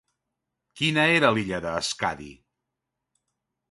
Quina era l'illa de Skadi?